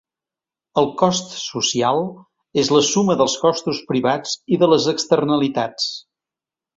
El cost social és la suma dels costos privats i de les externalitats.